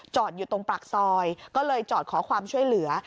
อยู่ตรงปากซอยก็เลยจอดขอความช่วยเหลือ